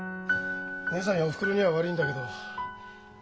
義姉さんやおふくろには悪いんだけど。